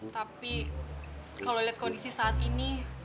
tapi kalau lihat kondisi saat ini